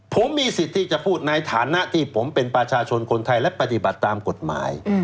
ผมมีสิทธิ์ที่จะพูดในฐานะที่ผมเป็นประชาชนคนไทยและปฏิบัติตามกฎหมาย